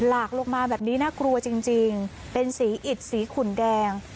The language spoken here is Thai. ลากลงมาแบบนี้น่ากลัวจริงเป็นสีอิดสีขุนแดง